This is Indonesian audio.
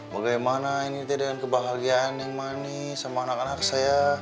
bagaimana ini dengan kebahagiaan yang manis sama anak anak saya